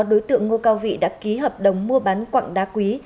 đối tượng ngô cao vị đã ký hợp đồng mua bán quạng đá quý